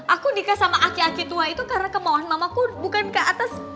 aku nikah sama aki aki tua itu karena kemauan mamaku bukan ke atas